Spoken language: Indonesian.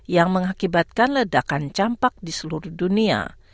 yang mengakibatkan ledakan campak di seluruh dunia